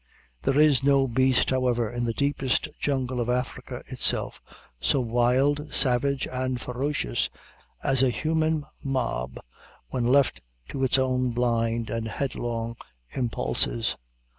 There is no beast, however, in the deepest jungle of Africa itself, so wild, savage and ferocious, as a human mob, when left to its own blind and headlong impulses.